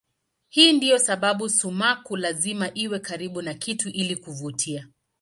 Hii ndiyo sababu sumaku lazima iwe karibu na kitu ili kuvutia.